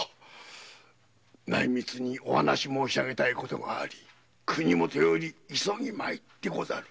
内密にお話申しあげたい事があり国元より急ぎ参ってござる。